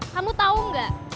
kamu tau enggak